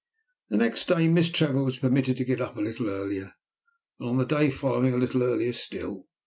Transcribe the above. Next day Miss Trevor was permitted to get up a little earlier, and on the day following a little earlier still.